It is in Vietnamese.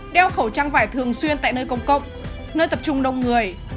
đeo khẩu trang vải thường xuyên tại nơi công cộng nơi tập trung đông người